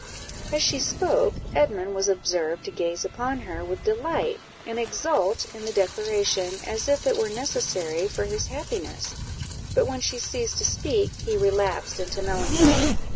As she spoke, Edmund was observed to gaze upon her with delight, and exult in the declaration, as if it were necessary for his happiness; but when she ceased to speak, he relapsed into melancholy.